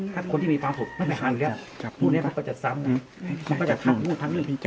ถ้าคนที่มีความทุกข์ไม่ไปหาอีกแล้วพวกนี้มันก็จะซ้ำมันก็จะทักพูดทั้งหนึ่ง